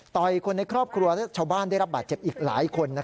คนในครอบครัวและชาวบ้านได้รับบาดเจ็บอีกหลายคน